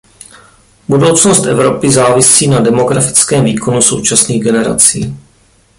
Budoucnost Evropy závisí na demografickém výkonu současných generací.